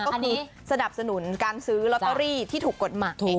ก็คือสนับสนุนการซื้อลอตเตอรี่ที่ถูกกฎหมาย